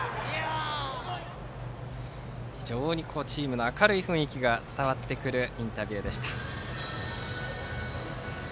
非常にチームの明るい雰囲気が伝わってくるインタビューでした。